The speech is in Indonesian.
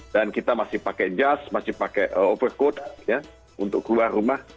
dan kita masih pakai jas masih pakai overcoat ya untuk keluar rumah